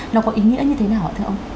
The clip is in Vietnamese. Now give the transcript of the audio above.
nó có ý nghĩa như thế nào ạ thưa ông